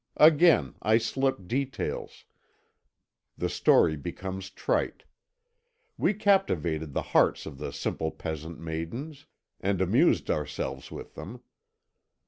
Again I slip details the story becomes trite. We captivated the hearts of the simple peasant maidens, and amused ourselves with them.